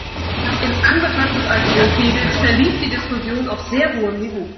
In Anbetracht des Alkoholpegels verlief die Diskussion auf sehr hohem Niveau.